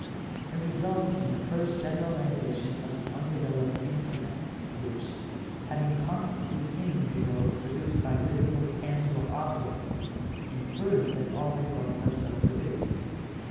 It results from the first generalization of the undeveloped intellect, which, having constantly seen results produced by visible, tangible objects, infers that all results are so produced.